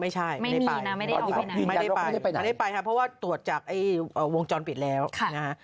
ใช่มีข่าวว่าไปห้าง